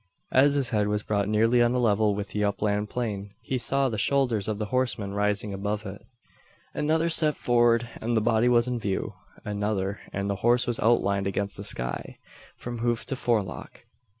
As his head was brought nearly on a level with the upland plain, he saw the shoulders of the horseman rising above it. Another step upward, and the body was in view. Another, and the horse was outlined against the sky, from hoof to forelock.